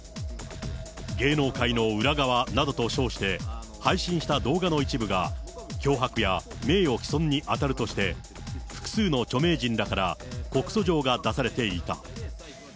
芸能界の裏側などと称して、配信した動画の一部が脅迫や名誉棄損に当たるとして、複数の著名人らから告訴状が出されていた。